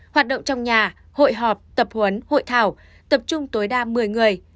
hoạt động trong nhà hội họp tập huấn hội thảo tập trung tối đa một mươi người